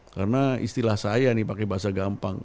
karena istilah saya nih pakai bahasa gampang